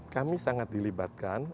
kami sangat dilibatkan